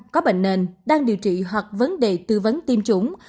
có bệnh nền đang điều trị hoặc vấn đề tư vấn tiêm chủng